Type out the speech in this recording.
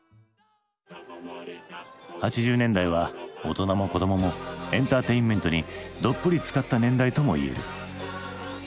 ８０年代は大人も子どももエンターテインメントにどっぷりつかった年代ともいえる。